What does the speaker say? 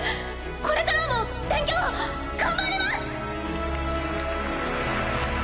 これからも勉強頑張ります！